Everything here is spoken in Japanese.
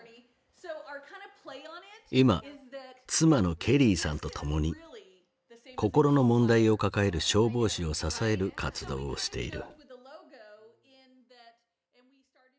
今妻のケリーさんと共に心の問題を抱える消防士を支える活動をしている。